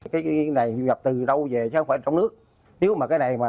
cái này nhập từ đâu về chứ không phải trong nước